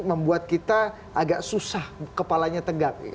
membuat kita agak susah kepalanya tegak